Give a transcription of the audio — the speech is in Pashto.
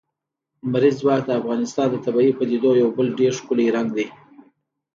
لمریز ځواک د افغانستان د طبیعي پدیدو یو بل ډېر ښکلی رنګ دی.